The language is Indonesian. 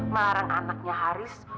mengarang anaknya haris